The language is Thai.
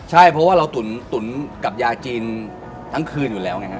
ใช่เพราะว่าเราตุ๋นกับยาจีนทั้งคืนอยู่แล้วไงครับ